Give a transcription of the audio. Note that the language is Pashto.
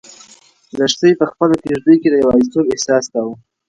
لښتې په خپله کيږدۍ کې د یوازیتوب احساس کاوه.